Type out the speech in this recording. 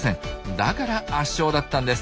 だから圧勝だったんです。